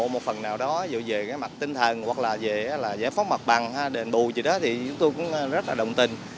một phần nào đó về cái mặt tinh thần hoặc là về giải phóng mặt bằng đền bù gì đó thì chúng tôi cũng rất là đồng tình